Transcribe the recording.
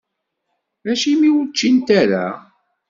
Acimi ur ččint ara?